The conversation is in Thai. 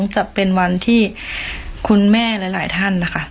จะเป็นวันที่คุณแม่หลายท่านนะคะ